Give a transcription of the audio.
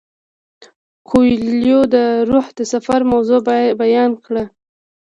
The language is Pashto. کویلیو د روح د سفر موضوع بیان کړه.